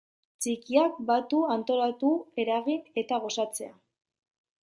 Txikiak batu, antolatu, eragin eta gozatzea.